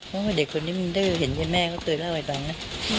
บอกว่าเด็กคนนี้มีดื้อเห็นไหมแม่เค้าตื่นแล้วไอ้ฝังนะ